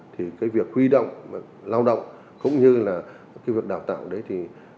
thì cái việc huy động lao động cũng như là cái việc đào tạo đấy thì